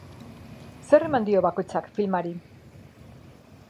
Zer eman dio bakoitzak filmari?